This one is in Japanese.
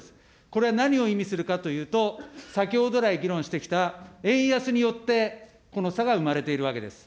これは何を意味するかというと、先ほど来、議論してきた円安によってこの差が生まれているわけです。